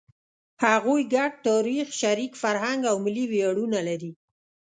هغوی ګډ تاریخ، شریک فرهنګ او ملي ویاړونه لري.